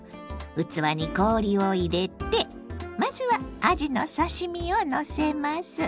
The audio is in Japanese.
器に氷を入れてまずはあじの刺身をのせます。